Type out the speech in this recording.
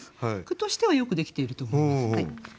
句としてはよくできていると思います。